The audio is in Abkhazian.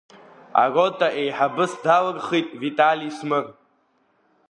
Арота еиҳабыс далырхит Витали Смыр.